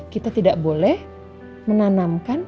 kita tidak boleh menanamkan